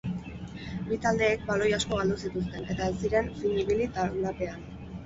Bi taldeek baloi asko galdu zituzten eta ez ziren fin ibili taulapean.